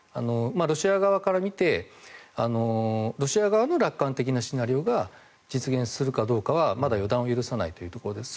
ロシア側から見てロシア側の楽観的なシナリオが実現するかどうかはまだ予断を許さないというところです。